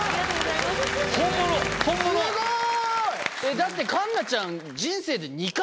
だって環奈ちゃん。